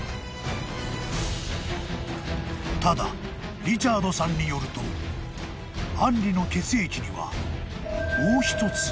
［ただリチャードさんによるとアンリの血液にはもう一つ謎が残っているという］